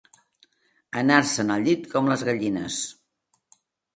Anar-se'n al llit com les gallines.